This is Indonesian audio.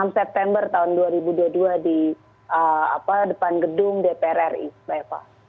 enam september tahun dua ribu dua puluh dua di depan gedung dpr ri mbak eva